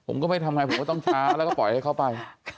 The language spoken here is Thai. ผมก็ไม่ทำไงผมก็ต้องช้าแล้วก็ปล่อยให้เขาไป